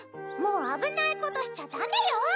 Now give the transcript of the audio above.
もうあぶないことしちゃダメよ！